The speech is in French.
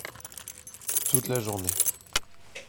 Toute la journée.